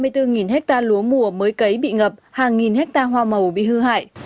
trên ba mươi bốn ha lúa mùa mới cấy bị ngập hàng nghìn ha hoa màu bị hư hại